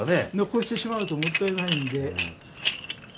残してしまうともったいないんで。